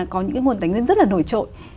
có những cái nguồn tài nguyên rất là nổi trội